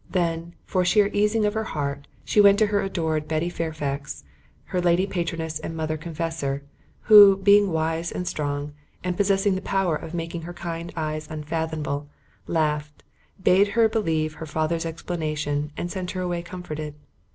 Then, for sheer easing of her heart, she went to her adored Betty Fairfax, her Lady Patroness and Mother Confessor, who, being wise and strong, and possessing the power of making her kind eyes unfathomable, laughed, bade her believe her father's explanation, and sent her away comforted.